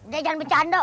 dek jangan bercanda